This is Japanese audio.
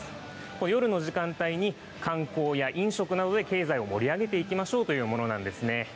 夜の時間帯に、観光や飲食などで経済を盛り上げていきましょうというものなんですね。